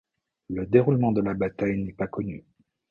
Le déroulement de la bataille n'est pas connu.